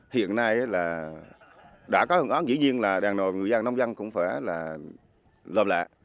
hiện nay là đã có hình ảnh dĩ nhiên là đàn nội người dân nông dân cũng phải là lòm lạ